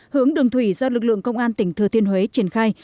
hướng đường thủy do lực lượng công an tỉnh thừa thiên huế triển khai